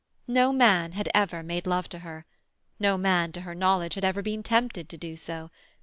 No man had ever made love to her; no man, to her knowledge, had ever been tempted to do so.